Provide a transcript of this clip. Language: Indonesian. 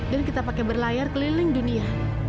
dan kita pakai berlayar keliling dunia